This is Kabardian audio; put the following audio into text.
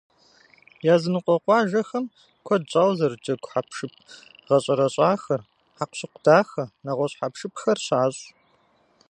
Языныкъуэ къуажэхэм куэд щӏауэ зэрыджэгу хьэпшып гъэщӏэрэщӏахэр, хьэкъущыкъу дахэ, нэгъуэщӏ хьэпшыпхэр щащӏ.